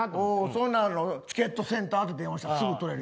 そんなんチケットセンター電話かけたらすぐ取れるよ。